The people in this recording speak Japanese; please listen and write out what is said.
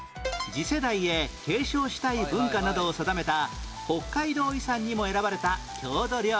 次世代へ継承したい文化などを定めた北海道遺産にも選ばれた郷土料理